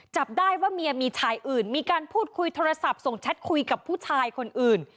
จับได้ว่าเมียมีชายอื่นมีการพูดคุยโทรศัพท์ส่งแชทคุยกับผู้ชายคนอื่น